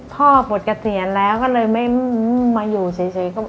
ก็พ่อปวดกระเตียนแล้วก็เลยไม่มาอยู่เฉย